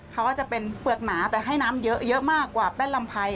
เขาก็จะเป็นเปลือกหนาแต่ให้น้ำเยอะมากกว่าแป้นลำไพร